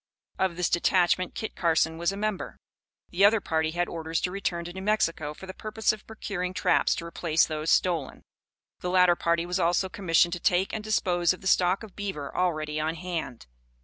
Of this detachment Kit Carson was a member. The other party had orders to return to New Mexico for the purpose of procuring traps to replace those stolen. This latter party was also commissioned to take and dispose of the stock of beaver already on hand.